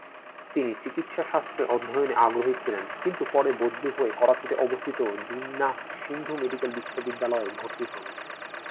তিনি চিকিৎসাশাস্ত্রে অধ্যয়নে আগ্রহী ছিলেন, কিন্তু পরে বদলি হয়ে করাচীতে অবস্থিত জিন্নাহ সিন্ধু মেডিকেল বিশ্ববিদ্যালয়ে ভর্তি হন।